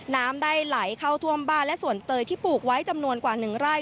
น้ำได้ไหลเข้าท่วมบ้านและส่วนเตยที่ปลูกไว้จำนวนกว่า๑ไร่